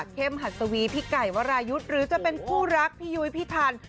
หัดสวีพี่ไก่วรายุทธ์หรือจะเป็นคู่รักพี่ยุ้ยพี่พันธ์